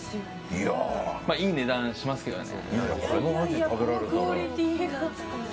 いい値段しますけどね。